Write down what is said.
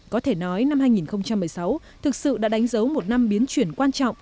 có thể nói năm hai nghìn một mươi sáu thực sự đã đánh dấu một năm biến chuyển quan trọng